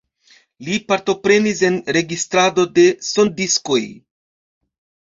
Li partoprenis en registrado de sondiskoj.